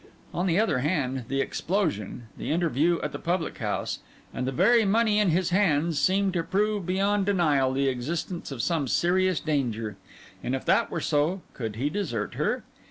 On the other hand, the explosion, the interview at the public house, and the very money in his hands, seemed to prove beyond denial the existence of some serious danger; and if that were so, could he desert her?